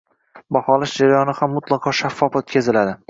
Baholash jarayoni ham mutlaqo shaffof oʻtkaziladi.